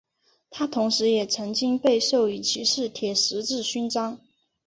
他同时也曾经被授予骑士铁十字勋章。